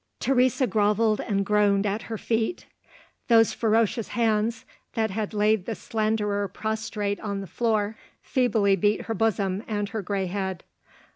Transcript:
Teresa grovelled and groaned at her feet. Those ferocious hands that had laid the slanderer prostrate on the floor, feebly beat her bosom and her gray head.